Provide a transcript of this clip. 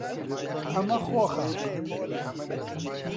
ئەمە خۆخە.